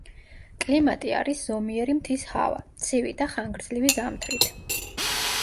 კლიმატი არის ზომიერი მთის ჰავა, ცივი და ხანგრძლივი ზამთრით.